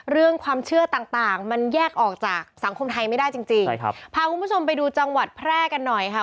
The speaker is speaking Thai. เรื่องความเชื่อต่างต่างมันแยกออกจากสังคมไทยไม่ได้จริงจริงใช่ครับพาคุณผู้ชมไปดูจังหวัดแพร่กันหน่อยค่ะ